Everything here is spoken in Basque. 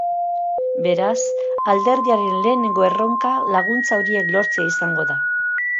Beraz, alderdiaren lehenengo erronka laguntza horiek lortzea izango da.